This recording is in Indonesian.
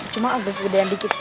cuma agak kegedean dikit